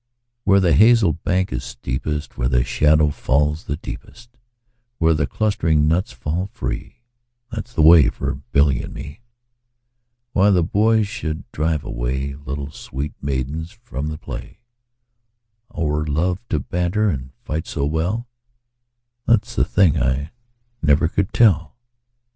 Where the hazel bank is steepest, Where the shadow falls the deepest, Where the clustering nuts fall free, 15 That 's the way for Billy and me. Why the boys should drive away Little sweet maidens from the play, Or love to banter and fight so well, That 's the thing I never could tell.